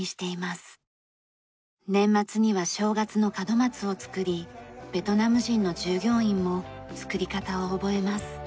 年末には正月の門松を作りベトナム人の従業員も作り方を覚えます。